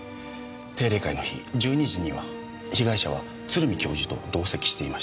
定例会の日１２時には被害者は鶴見教授と同席していました。